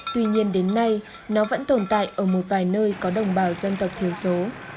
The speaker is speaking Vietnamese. tuy nhiên đến nay nó vẫn tồn tại ở một vài nơi có đồng bào dân tộc thiểu số